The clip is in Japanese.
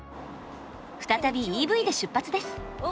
再びＥＶで出発です。